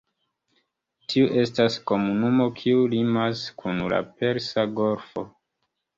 Tiu estas komunumo kiu limas kun la Persa Golfo.